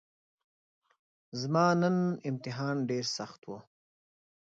زما نن امتحان ډیرسخت وو